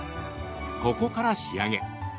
ここから仕上げ。